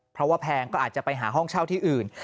เพราะว่าแพงก็อาจจะไปหาห้องเช่าที่อื่น